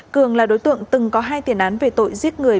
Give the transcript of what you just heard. cường là đối tượng từng có hai tiền án về tội giết người